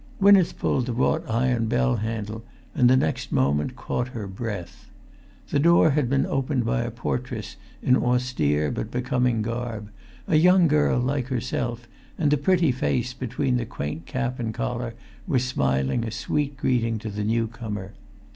Gwynneth pulled the wrought iron bell handle, and next moment caught her breath. The door had been opened by a portress in austere but becoming garb, a young girl like herself, and the pretty face[Pg 351] between the quaint cap and collar was smiling a sweet greeting to the newcomer.